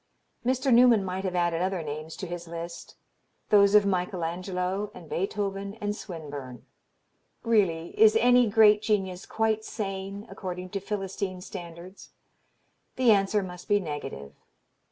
Mr. Newman might have added other names to his list, those of Michael Angelo and Beethoven and Swinburne. Really, is any great genius quite sane according to philistine standards? The answer must be negative.